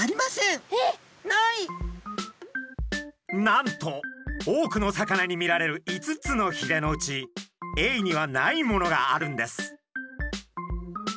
なんと多くの魚に見られる５つのひれのうちエイにはないものがあるんです！